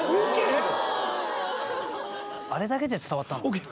あれだけで伝わったの？ＯＫ？